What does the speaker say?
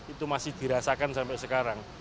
itu masih dirasakan sampai sekarang